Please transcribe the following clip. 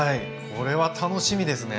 これは楽しみですね。